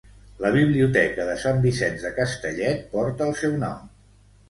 La Biblioteca de Sant Vicenç de Castellet porta el seu nom.